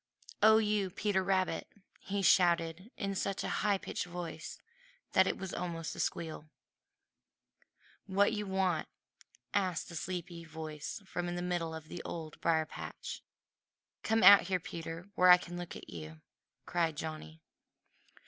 "Oh, you Peter Rabbit!" he shouted in such a high pitched voice that it was almost a squeal. "What you want?" asked a sleepy voice from the middle of the Old Briar patch. Johnny Chuck's face lighted up. "Come out here, Peter, where I can look at you," cried Johnny.